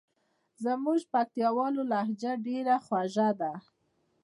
زموږ پکتیکاوالو لهجه ډېره خوژه ده.